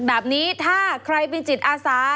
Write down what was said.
แบบนี้ถ้าใครเป็นจิตอาสา